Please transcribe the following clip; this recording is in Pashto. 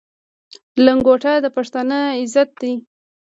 لنګوټه د پښتانه عزت دی.